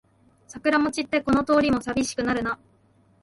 桜も散ってこの通りもさびしくなるな